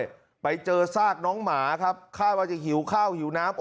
ไปเจอซากน้องหมาครับคาดว่าจะหิวข้าวหิวน้ำ